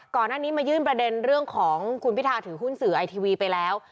ก่อนหน้านี้มายื่นประเด็นเรื่องของคุณพิทาถือหุ้นสื่อไอทีวีไปแล้ว